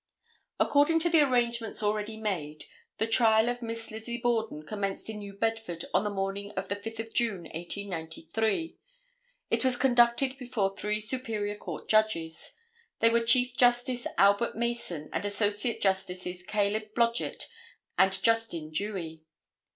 According to the arrangements already made, the trial of Miss Lizzie Borden commenced in New Bedford on the morning of the 5th of June, 1893. It was conducted before three Superior Court Judges. They were Chief Justice Albert Mason and Associate Justices Caleb Blodgett and Justin Dewey.